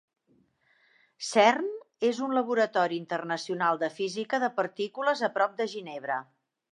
Cern és un laboratori internacional de física de partícules a prop de Ginebra.